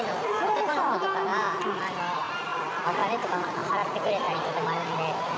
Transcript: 男の子とかが、お金とかを払ってくれたりとかもあるんで。